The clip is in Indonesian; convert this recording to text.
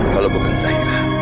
kalau bukan zahira